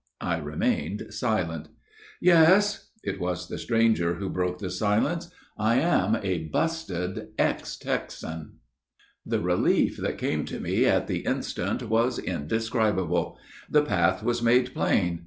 I remained silent. "Yes," it was the stranger who broke the silence, "I am a busted ex Texan!" [Illustration: I AM A BUSTED EX TEXAN.] The relief that came to me at the instant was indescribable. The path was made plain.